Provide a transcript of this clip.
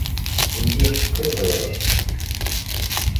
Lliɣ ttxiḍiɣ.